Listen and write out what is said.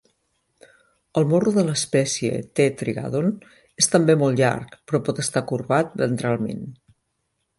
El morro de l'espècie "T. trigadon" és també molt llarg però pot està corbat ventralment.